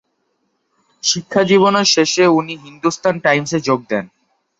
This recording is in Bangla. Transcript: শিক্ষাজীবনের শেষে উনি হিন্দুস্তান টাইমসে এ যোগ দেন।